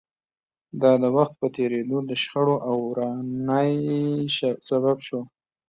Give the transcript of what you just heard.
دا د وخت په تېرېدو د شخړو او ورانۍ سبب شوه